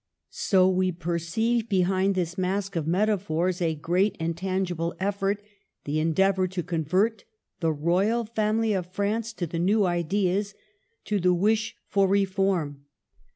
So we perceive behind this mask of metaphors a great and tangible effort, — the endeavor to convert the Royal Family of France to the new ideas, to the wish for Reform.